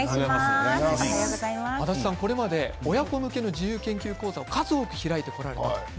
これまで親子向けの自由研究講座を数多く開いてきました。